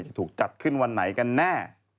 จะถูกจัดขึ้นวันไหนกันแน่